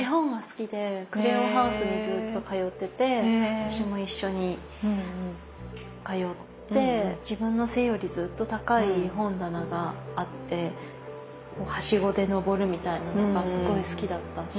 私も一緒に通って自分の背よりずっと高い本棚があってはしごで登るみたいなのがすごい好きだったし。